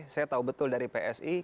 saya tahu betul dari psi